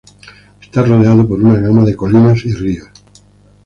Está rodeada por una gama de colinas y ríos.